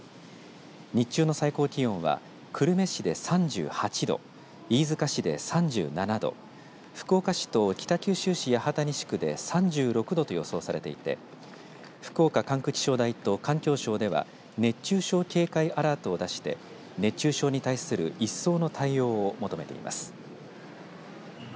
日中の最高気温は久留米市で３８度飯塚市で３７度福岡市と北九州市、八幡西区で３６度と予想されていて福岡管区気象台と環境省では熱中症警戒アラートを出して熱中症に対する一層の対応を求めています。